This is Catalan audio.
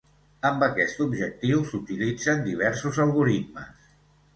Amb aquest objectiu, s'utilitzen diversos algoritmes.